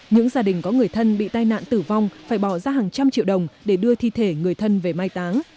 những gia đình có người thân bị tai nạn tử vong phải bỏ ra hàng trăm triệu đồng để đưa thi thể người thân về mai táng